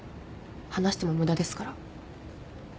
話しても無駄ですから。